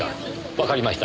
わかりました。